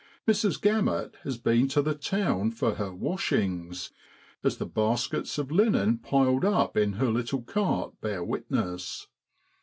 Mrs. Gammut has been to the town for her 'washings,' as the baskets of linen piled up in her little cart bear witness.